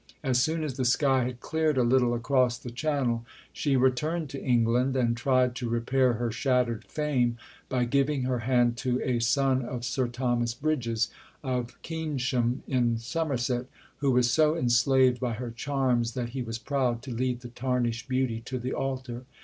As soon as the sky had cleared a little across the Channel, she returned to England, and tried to repair her shattered fame by giving her hand to a son of Sir Thomas Bridges, of Keynsham, in Somerset, who was so enslaved by her charms that he was proud to lead the tarnished beauty to the altar.